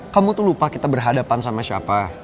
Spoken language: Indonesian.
kamu tuh lupa kita berhadapan sama siapa